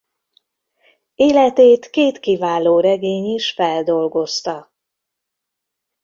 Életét két kiváló regény is feldolgozta.